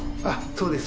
そうです。